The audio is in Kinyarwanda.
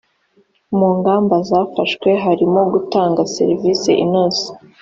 mu ngamba zafashwe harimo gutanga serivise inoze